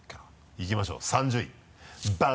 いきましょう３０位バン！